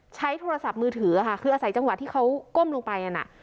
ใช้โทรศัพท์มือถือค่ะคืออาศัยจังหวะที่เขาก้มลงไปนั่นน่ะ